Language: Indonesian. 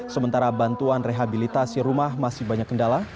sementara bantuan rehabilitasi rumah masih banyak kendala